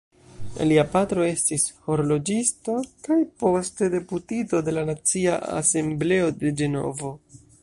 Lia patro estis horloĝisto kaj poste deputito de la Nacia Asembleo de Ĝenovo.